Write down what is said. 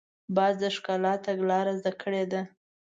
باز د ښکار تګلاره زده کړې ده